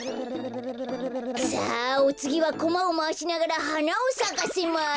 さあおつぎはコマをまわしながらはなをさかせます。